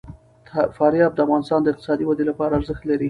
فاریاب د افغانستان د اقتصادي ودې لپاره ارزښت لري.